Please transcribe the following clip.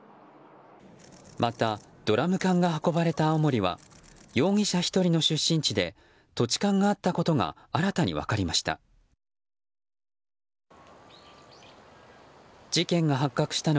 また、ドラム缶が運ばれた青森は容疑者１人の出身地で土地勘があったことが新たに分かりました。